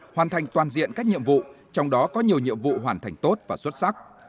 hoàn thành toàn diện các nhiệm vụ trong đó có nhiều nhiệm vụ hoàn thành tốt và xuất sắc